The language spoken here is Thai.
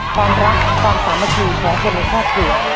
ความรักความสามารถยืนของคนในความเกลียด